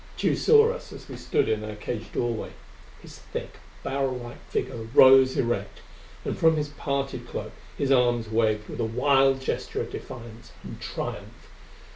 _ Tugh saw us as we stood in our cage doorway. His thick barrel like figure rose erect, and from his parted cloak his arms waved with a wild gesture of defiance and triumph.